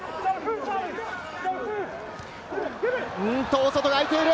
大外が空いている！